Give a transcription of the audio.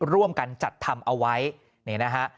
ร่วมกันจัดทำเอาไว้นี่นะฮะ